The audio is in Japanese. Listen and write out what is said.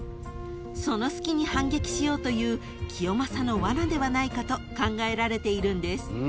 ［その隙に反撃しようという清正のわなではないかと考えられているんです］